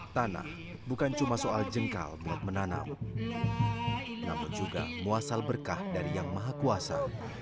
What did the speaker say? tanah bukan cuma soal jengkal buat menanam namun juga muasal berkah dari yang maha kuasa